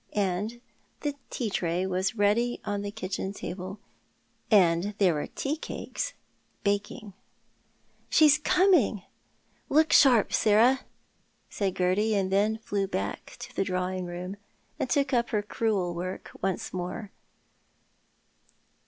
And the tea tray was ready on the kitchen table, and there were tea cakes laking. 2 28 Tliott art the Man. " She's coming ! Look sharp, Sarah," said Gerty, and then flew back to the drawing room, and took up her crewel work once more.